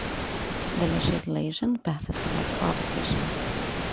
The legislation passed without opposition.